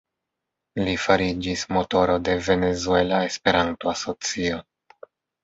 Li fariĝis motoro de Venezuela Esperanto-Asocio.